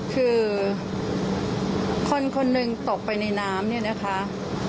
คือคนคนหนึ่งตกไปในน้ำเนี่ยนะคะ